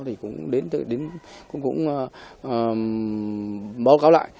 thì cũng đến cũng báo cáo lại